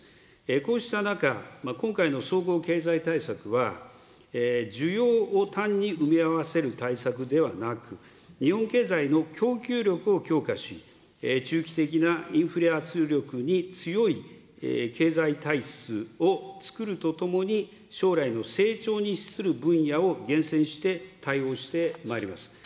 こうした中、今回の総合経済対策は、需要を単に埋め合わせる対策ではなく、日本経済の供給力を強化し、中期的なインフレ圧力に強い経済体質を作るとともに、将来の成長に資する分野を厳選して対応してまいります。